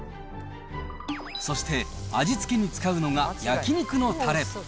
そして味付けに使うのが焼き肉のたれ。